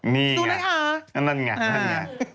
นี่ไงนั่นไงนั่นไง